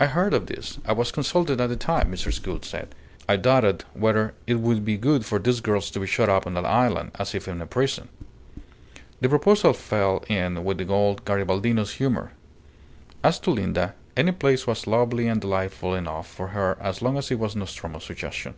"I heard of this. I was consulted at the time," Mrs. Gould said. "I doubted whether it would be good for these girls to be shut up on that island as if in a prison." "The proposal fell in with the old Garibaldino's humour. As to Linda, any place was lovely and delightful enough for her as long as it was Nostromo's suggestion.